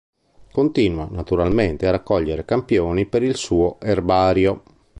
Continua, naturalmente, a raccogliere campioni per il suo erbario.